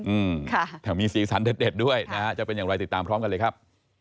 อืมค่ะแถมมีสีสันเด็ดเด็ดด้วยนะฮะจะเป็นอย่างไรติดตามพร้อมกันเลยครับ